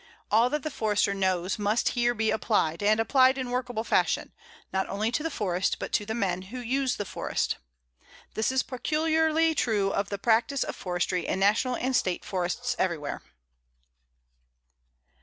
All that the Forester knows must here be applied, and applied in workable fashion, not only to the forest, but to the men who use the forest. This is peculiarly true of the practice of forestry in National and State Forests everywhere.